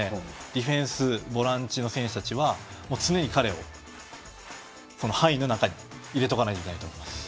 ディフェンスボランチの選手たちは常に彼を範囲の中に入れておかないといけないです。